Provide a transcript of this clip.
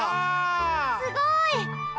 すごい！